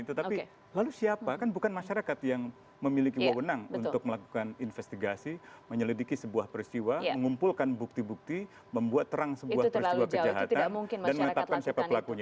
tetapi lalu siapa kan bukan masyarakat yang memiliki wawonan untuk melakukan investigasi menyelidiki sebuah peristiwa mengumpulkan bukti bukti membuat terang sebuah peristiwa kejahatan dan menetapkan siapa pelakunya